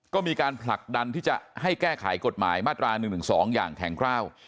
ก็มีการผลักดันที่จะให้แก้ไขกฎหมายมาตราหนึ่งหนึ่งสองอย่างแข่งกล้าว